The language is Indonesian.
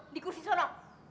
di kursi sana